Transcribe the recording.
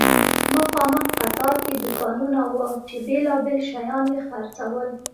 مخامخ قطار کې دوکانونه وو چې بیلابیل شیان یې خرڅول.